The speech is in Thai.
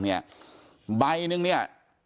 เนี่ยใบนึงเนี่ย